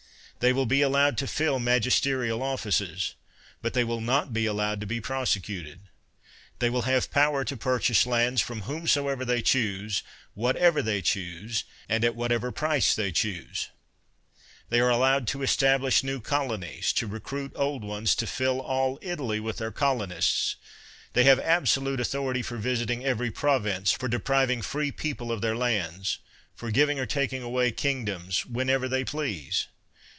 They will be allowed to fill magisterial offices; but they will not be allowed to be prosecuted. They will have power to purchase lands, from whomsoever they choose, whatever they choose, and at whatever price they choose. They are allowed to establish new colonies, to recruit old ones, to fill all Italy with their colonists ; they have absolute authority for visiting every province, for depriving free people of their lands, for giving or taking away king doms, whenever they please.